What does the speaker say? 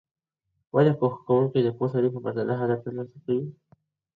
ولي کوښښ کوونکی د پوه سړي په پرتله هدف ترلاسه کوي؟